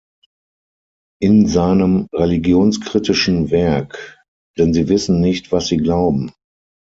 In seinem religionskritischen Werk "Denn sie wissen nicht, was sie glauben.